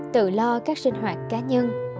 tự lo các sinh hoạt cá nhân